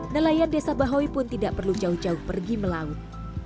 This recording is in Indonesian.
nelayan desa bahoy pun tidak perlu jauh jauh pergi melaut